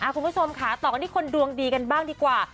คุณผู้ชมค่ะต่อกันที่คนดวงดีกันบ้างดีกว่า